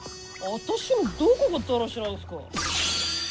私のどこがだらしないんですか？